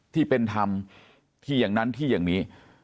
ที่เป็นธรรมที่อย่างนั้นที่อย่างนี้